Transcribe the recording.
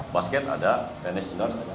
basket ada tenis indoor ada